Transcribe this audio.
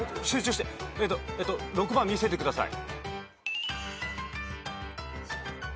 えっと６番見せてください。